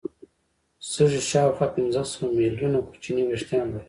سږي شاوخوا پنځه سوه ملیونه کوچني وېښتان لري.